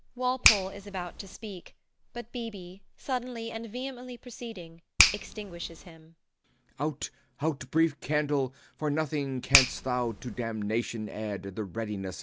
[Walpole is about to speak, but B. B., suddenly and vehemently proceeding, extinguishes him.] Out, out, brief candle: For nothing canst thou to damnation add The readiness is all.